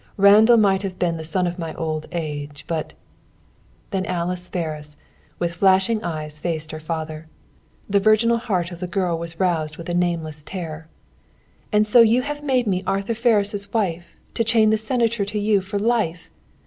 Randall might have been the son of my old age, but" Then Alice Ferris, with flashing eyes, faced her father. The virginal heart of the girl was roused with a nameless terror. "And so you have made me Arthur Ferris' wife to chain the Senator to you for life!